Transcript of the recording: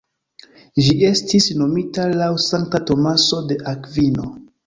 Ĝi estis nomita laŭ sankta Tomaso de Akvino.